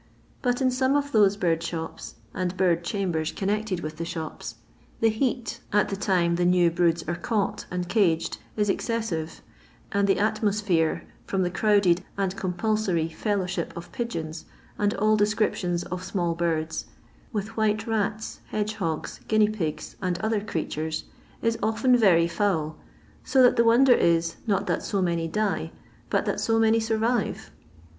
But in some of those bird shops, and bird chambers connected with the shops, the heat at tho timo LONDON LABOUR AND THE LONDON POOR. €9 the new bxeodi are caoglit and caged, ia ex ceMiTe; and the atmosphere, from the crowded and eompnlaoiT fellowship of pigeons, and all deeeriptioni ef small birds, with white rats, kedgehogs, gainea pigs, and other creatures, is •Iten Tery foal ; so that the wonder is, not that io many dia, bnt that so many sorriye.